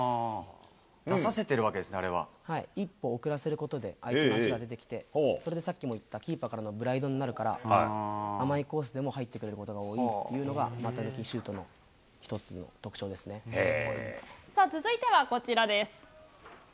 出させてるわけですね、はい、一歩遅らせることで相手の足が出てきて、それでさっきも言ったキーパーからのブラインドになるから、甘いコースでも入ってくれることが多いっていうのが、股抜きシュさあ、続いてはこちらです。